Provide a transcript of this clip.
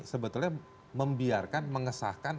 sebetulnya membiarkan mengesahkan